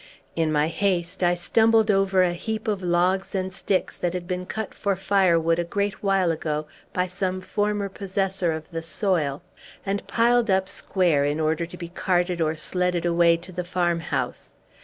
In my haste, I stumbled over a heap of logs and sticks that had been cut for firewood, a great while ago, by some former possessor of the soil, and piled up square, in order to be carted or sledded away to the farmhouse.